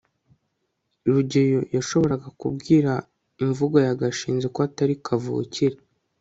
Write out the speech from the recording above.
rugeyo yashoboraga kubwira imvugo ya gashinzi ko atari kavukire